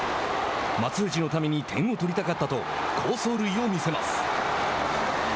松藤のために点を取りたかったと好走塁を見せます。